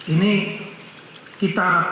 ini kita harapkan